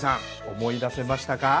思い出せましたか？